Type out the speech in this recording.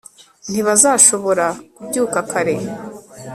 ntibazashobora kubyuka kare